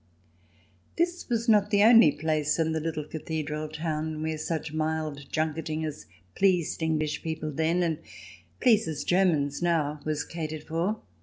This was not the only place in the little cathedral town, where such mild junketing as pleased English people then, and pleases Germans now, was catered for.